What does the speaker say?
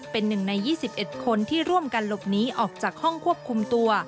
เป็น๑ใน๒๑คนที่ร่วมกันหลบหนีออกจากห้องควบคุมตัว